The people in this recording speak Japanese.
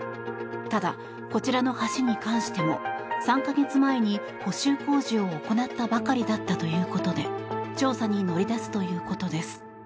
ただ、こちらの橋に関しても３か月前に補修工事を行ったばかりだったということで調査に乗り出すということです。